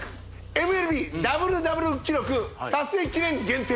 ＭＬＢダブルダブル記録達成記念限定